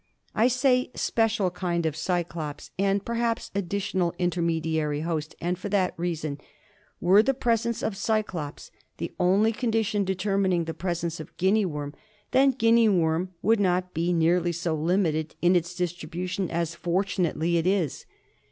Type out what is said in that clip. I say special kind of Cyclops, and perhaps additional intermediary host ; and for this reason : Were the presence of cyclops the only condition determining the presence of Guinea worm, then Guinea worm would not be nearly so limited in its distribution as fortunately it is.